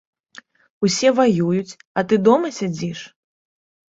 Усе ваююць, а ты дома сядзіш?